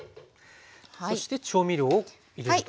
そして調味料を入れると。